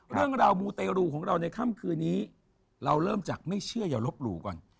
เรื่องราวมูเตรูของเราในค่ำคืนนี้เราเริ่มจากไม่เชื่ออย่าลบหลู่ก่อน